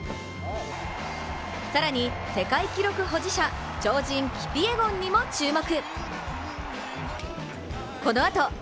更に世界記録保持者超人キピエゴンにも注目。